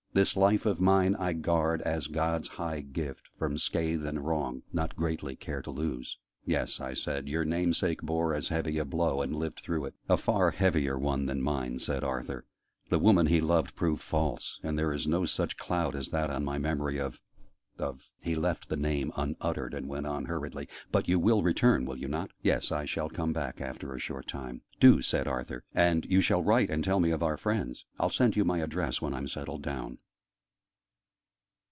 'This life of mine I guard, as God's high gift, from scathe and wrong, Not greatly care to lose!'" "Yes," I said: "your name sake bore as heavy a blow, and lived through it." "A far heavier one than mine," said Arthur. "The woman he loved proved false. There is no such cloud as that on my memory of of " He left the name unuttered, and went on hurriedly. "But you will return, will you not?" "Yes, I shall come back for a short time." "Do," said Arthur: "and you shall write and tell me of our friends. I'll send you my address when I'm settled down."